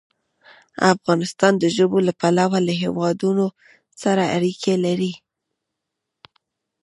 افغانستان د ژبو له پلوه له هېوادونو سره اړیکې لري.